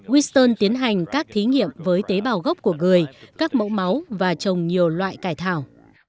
witton tiến hành các thí nghiệm với tế bào gốc của người các mẫu máu và trồng nhiều loại cải thảo